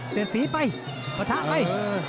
เสธสีไปปะทะไป